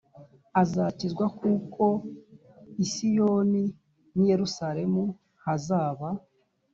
azakizwa kuko i siyoni n i yerusalemu hazaba